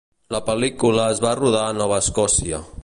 La pel·lícula es va rodar a Nova Escòcia.